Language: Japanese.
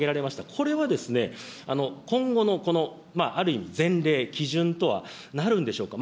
これは、今後のこのある意味、前例、基準とはなるんでしょうか。